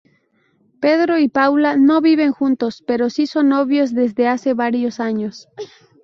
Pedro y Paula no viven juntos, pero sí son novios desde hace varios años.